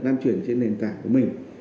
lan truyền trên nền tảng của mình